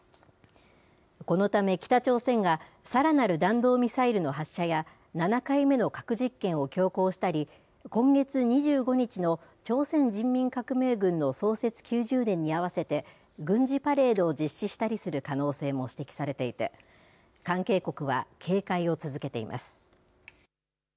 このため北朝鮮が、さらなる弾道ミサイルの発射や、７回目の核実験を強行したり、今月２５日の朝鮮人民革命軍の創設９０年に合わせて軍事パレードを実施したりする可能性も指摘されていて、関係国は警戒を続けています。